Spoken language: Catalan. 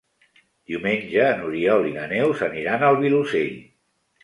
Diumenge n'Oriol i na Neus aniran al Vilosell.